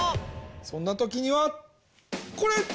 そんなときにはこれ！